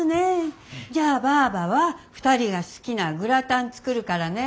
じゃあバァバは２人が好きなグラタン作るからね。